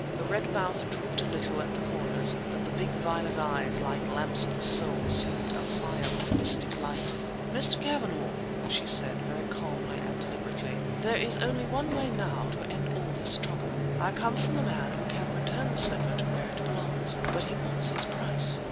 The red mouth drooped a little at the corners, but the big violet eyes, like lamps of the soul, seemed afire with mystic light. "Mr. Cavanagh," she said, very calmly and deliberately, "there is only one way now to end all this trouble. I come from the man who can return the slipper to where it belongs; but he wants his price!"